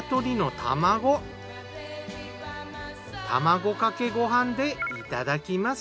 卵かけご飯でいただきます。